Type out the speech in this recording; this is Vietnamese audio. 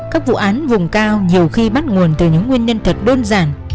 các vụ án vùng cao nhiều khi bắt nguồn từ những nguyên nhân thật đơn giản